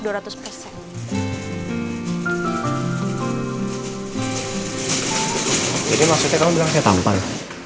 jadi maksudnya kamu bilang saya tampan